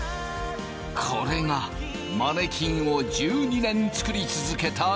これがマネキンを１２年作り続けた指だ！